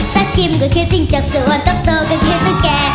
จั๊กกิ้มกับเครื่องจริงจากสวรรค์โต๊ะโตกันคือตัวแก่